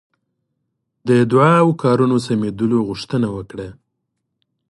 د دعا او کارونو سمېدلو غوښتنه وکړه.